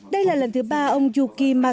đây là lần thứ ba ông yuki masa